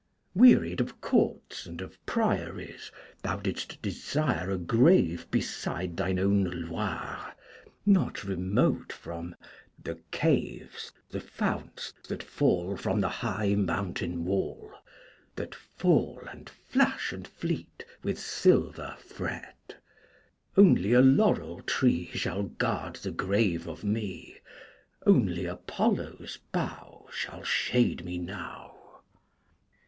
Wearied of Courts and of priories, thou didst desire a grave beside thine own Loire, not remote from The caves, the founts that fall From the high mountain wall, That fall and flash and fleet, Wilh silver fret. Only a laurel tree Shall guard the grave of me; Only Apollo's bough Shall shade me now!